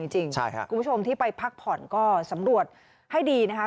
คุณผู้ชมที่ไปพักผ่อนก็สำรวจให้ดีนะคะ